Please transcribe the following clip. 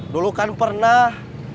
dulu kan pernah